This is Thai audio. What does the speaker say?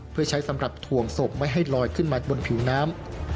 เพื่อใช้สำหรับถ่วงศพไม่ให้ลอยขึ้นมาบนผิวน้ำ